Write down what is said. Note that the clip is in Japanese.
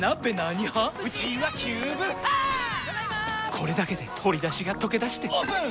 これだけで鶏だしがとけだしてオープン！